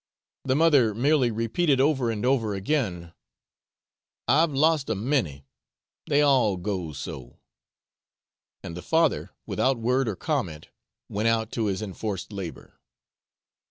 The mother merely repeated over and over again, 'I've lost a many, they all goes so;' and the father, without word or comment, went out to his enforced labour.